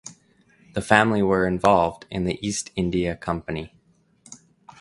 The family were involved in the East India Company.